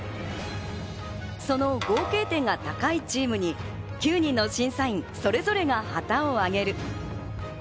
その合計点が高いチームに９人の審査員それぞれが旗を上げる。